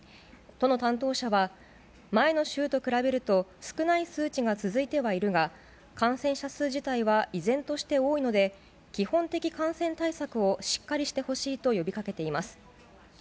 都の担当者は、前の週と比べると少ない数値が続いてはいるが、感染者数自体は依然として多いので、基本的感染対策をしっかりしてほしいと呼びかけています。